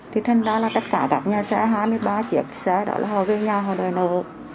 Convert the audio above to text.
thì thành ra là tất cả các nhà xe hai mươi ba chiếc xe đó là họ về nhà họ đòi nợ